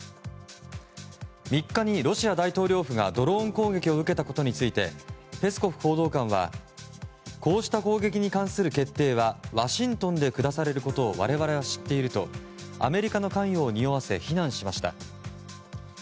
３日にロシア大統領府がドローン攻撃を受けたことについてペスコフ報道官はこうした攻撃に関する決定はワシントンで下されていることを我々は知っているとアメリカの関与を匂わせ非難しました。